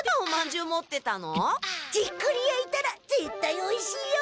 じっくりやいたらぜったいおいしいよ！